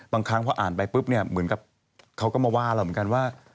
บางครั้งพออ่านไปปุ๊บเนี่ยเหมือนกับเขาก็มาว่าเราเหมือนกันว่า